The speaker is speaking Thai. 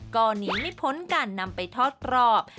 ก่อนนี้ไม่พ้นกันนำไปทอดตรอบ